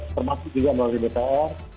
termasuk juga melalui dpr